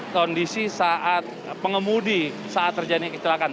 kondisi saat pengemudi saat terjadi kecelakaan